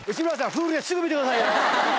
Ｈｕｌｕですぐ見てくださいよ！